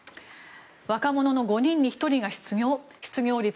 若者の５人に１人が失業失業率